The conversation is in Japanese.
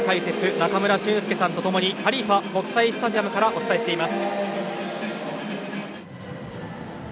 中村俊輔さんと共にハリーファ国際スタジアムからお伝えしています。